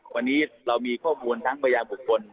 วันนี้เรามีข้อมูลทั้งพยานบุคคล